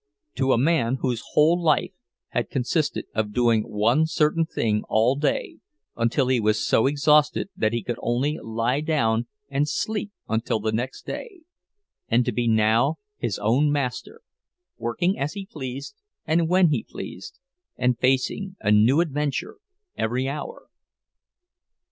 To a man whose whole life had consisted of doing one certain thing all day, until he was so exhausted that he could only lie down and sleep until the next day—and to be now his own master, working as he pleased and when he pleased, and facing a new adventure every hour!